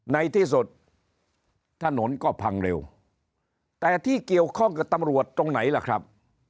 ในที่สุดถนนก็พังเร็วแต่ที่เกี่ยวข้องกับตำรวจตรงไหนล่ะครับ